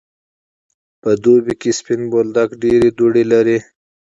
په دوبی کی سپین بولدک ډیری دوړی لری.